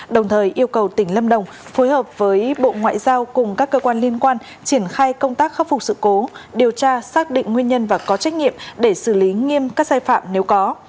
đồng thời yêu cầu tỉnh lâm đồng phối hợp với bộ ngoại giao cùng các cơ quan liên quan triển khai công tác khắc phục sự cố điều tra xác định nguyên nhân và có trách nhiệm để xử lý nghiêm các sai phạm nếu có